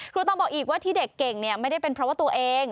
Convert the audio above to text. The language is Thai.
ต้องบอกอีกว่าที่เด็กเก่งไม่ได้เป็นเพราะว่าตัวเอง